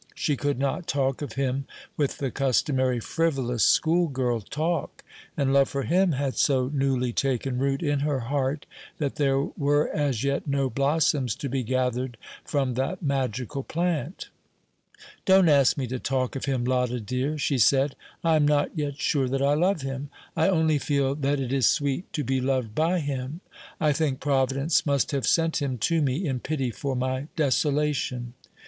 She could not talk of him with the customary frivolous school girl talk; and love for him had so newly taken root in her heart that there were as yet no blossoms to be gathered from that magical plant. "Don't ask me to talk of him, Lotta, dear;" she said. "I am not yet sure that I love him; I only feel that it is sweet to be loved by him. I think Providence must have sent him to me in pity for my desolation."